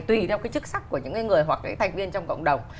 tùy theo cái chức sắc của những người hoặc cái thành viên trong cộng đồng